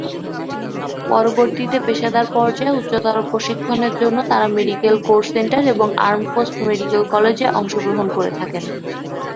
পরবর্তীতে পেশাদার পর্যায়ে উচ্চতর প্রশিক্ষণের জন্য তারা মেডিকেল কোর সেন্টার এবং আর্মড ফোর্স মেডিকেল কলেজে অংশগ্রহণ করে থাকেন।